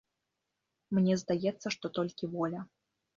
Мне здаецца, што толькі воля.